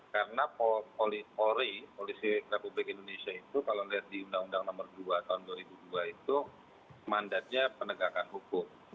karena polri polisi republik indonesia itu kalau dilihat di undang undang nomor dua tahun dua ribu dua itu mandatnya penegakan hukum